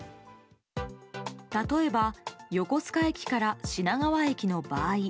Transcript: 例えば横須賀駅から品川駅の場合